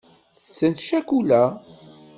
Tettent ccakula.